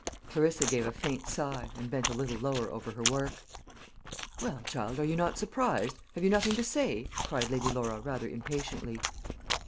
Clarissa gave a faint sigh, and bent a little lower over her work. "Well, child, are you not surprised? have you nothing to say?" cried Lady Laura, rather impatiently.